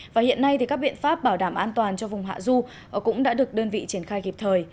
và hiện nay các biện pháp bảo đảm an toàn cho vùng hạ du cũng đã được đơn vị triển khai kịp thời